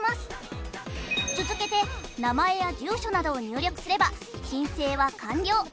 続けて名前や住所などを入力すれば申請は完了。